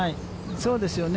そうですよね。